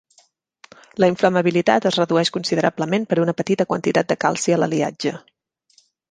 La inflamabilitat es redueix considerablement per una petita quantitat de calci a l'aliatge.